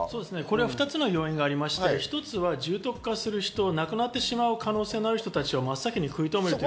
２つの要因がありまして、一つは重篤化する人、亡くなってしまう可能性のある人たちを真っ先に食い止める。